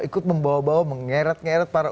ikut membawa bawa mengeret ngeret para